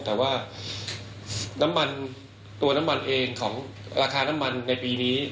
แต่ว่าน้ำมันตัวน้ำมันเองของราคาน้ำมันในปีนี้